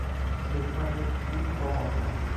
Dehqon yana kuyib qolmoqda